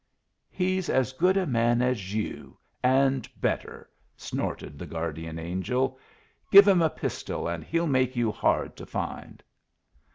"He's as good a man as you, and better," snorted the guardian angel. "Give him a pistol, and he'll make you hard to find."